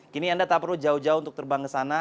kini anda tak perlu jauh jauh untuk terbang ke sana